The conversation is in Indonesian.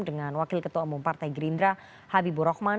dengan wakil ketua umum partai gerindra habibur rahman